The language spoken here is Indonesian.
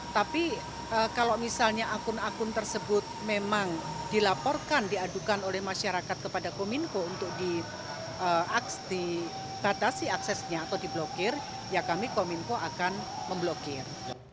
tapi kalau misalnya akun akun tersebut memang dilaporkan diadukan oleh masyarakat kepada kominfo untuk dibatasi aksesnya atau diblokir ya kami kominfo akan memblokir